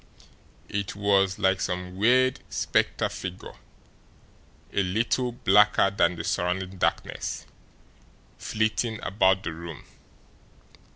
It was like some weird spectre figure, a little blacker than the surrounding darkness, flitting about the room.